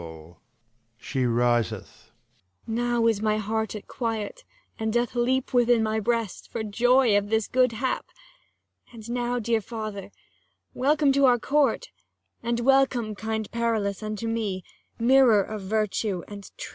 Now is my heart at quiet, and doth leap Within my breast, for joy of this good hap : And now, dear father, welcome to our court, 240 And welcome, kind Perillus, unto me, Mirror of virtue and true honesty.